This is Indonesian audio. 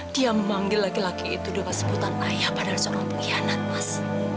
dia memanggil laki laki itu dengan sebutan ayah padahal seorang pengkhianat mas